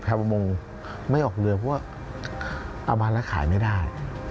ประมงไม่ออกเรือเพราะว่าเอามาแล้วขายไม่ได้